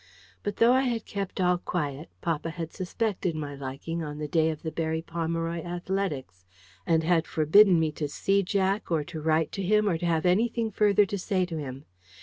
But though I had kept all quiet, papa had suspected my liking on the day of the Berry Pomeroy athletics, and had forbidden me to see Jack, or to write to him, or to have anything further to say to him.